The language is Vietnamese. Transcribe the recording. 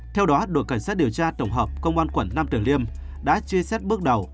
theo đó đội cảnh sát điều tra tổng hợp công an quận nam tử liêm đã truy xét bước đầu